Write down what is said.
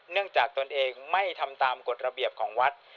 จากตนเองไม่ทำตามกฎระเบียบของวัด